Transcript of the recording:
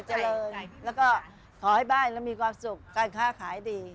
เจริญแล้วก็ขอให้บ้านเรามีความสุขการค้าขายดี